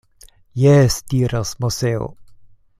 Jes! diras Moseo.